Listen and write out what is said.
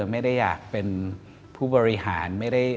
ไม่ได้อยากเป็นผู้บริหาร